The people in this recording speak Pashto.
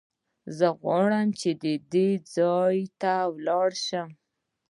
زه غواړم چې دې ځای ته لاړ شم.